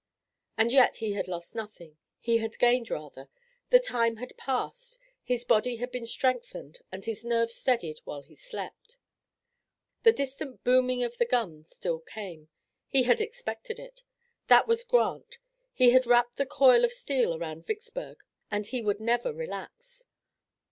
And yet he had lost nothing. He had gained rather. The time had passed. His body had been strengthened and his nerves steadied while he slept. The distant booming of the guns still came. He had expected it. That was Grant. He had wrapped the coil of steel around Vicksburg and he would never relax.